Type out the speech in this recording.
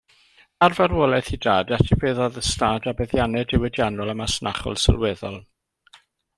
Ar farwolaeth ei dad, etifeddodd ystâd a buddiannau diwydiannol a masnachol sylweddol.